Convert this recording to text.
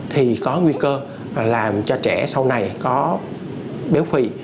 thì có nguy cơ làm cho trẻ sau này có béo phì